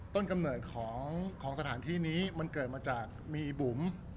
กำเนิดของสถานที่นี้มันเกิดมาจากมีบุ๋ม